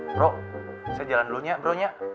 bro saya jalan dulu ya bro ya